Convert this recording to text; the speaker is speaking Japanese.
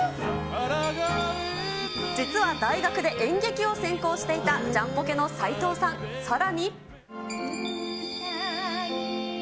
実は、大学で演劇を専攻していたジャンポケの斉藤さん、さらに。